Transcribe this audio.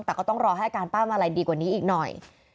แต่ก็ต้องรอให้อาการป้ามาลัยดีกว่านี้อีกหน่อย